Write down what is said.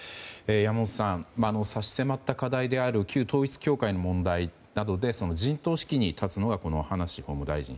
山本さん、差し迫った課題である旧統一教会の問題などでその陣頭指揮に立つのがこの葉梨法務大臣。